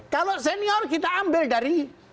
kalau senior kita ambil dari